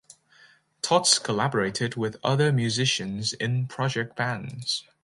Tots collaborated with other musicians in project bands.